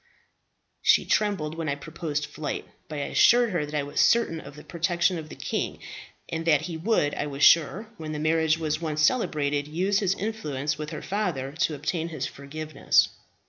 "She trembled when I proposed flight; but I assured her that I was certain of the protection of the king, and that he would, I was sure, when the marriage was once celebrated, use his influence with her father to obtain his forgiveness.